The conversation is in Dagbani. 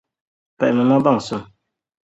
Pahimi ma baŋsim